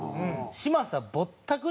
嶋佐！